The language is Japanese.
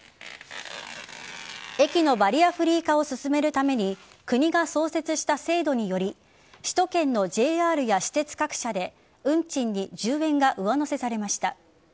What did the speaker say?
駅のバリアフリー化を進めるために国が創設した制度により首都圏のＪＲや私鉄各社で運賃に１０円が上乗せされました。